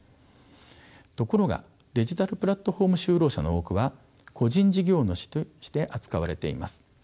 ところがデジタルプラットフォーム就労者の多くは個人事業主として扱われています。